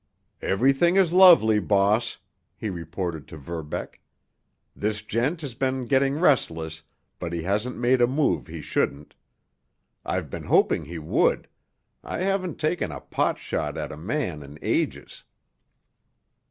"Everything is lovely, boss," he reported to Verbeck. "This gent has been getting restless, but he hasn't made a move he shouldn't. I've been hoping he would—I haven't taken a pot shot at a man in ages."